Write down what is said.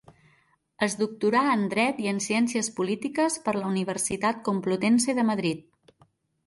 Es doctorà en Dret i en ciències polítiques per la Universitat Complutense de Madrid.